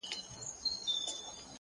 د پخلنځي د لوګي نرمي فضا بدلوي!